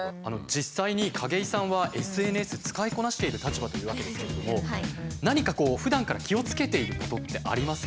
実際に景井さんはＳＮＳ使いこなしている立場というわけですけれども何かこうふだんから気をつけていることってありますか？